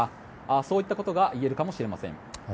そういったことがいえるかもしれません。